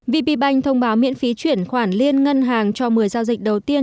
vpbank thông báo miễn phí chuyển khoản liên ngân hàng cho một mươi giao dịch đầu tiên